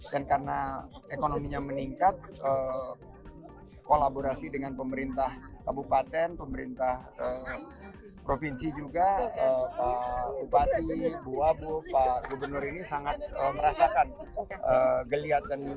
dan karena ekonominya meningkat kolaborasi dengan pemerintah kabupaten pemerintah provinsi juga pak upati bu abu pak gubernur ini sangat merasakan geliatan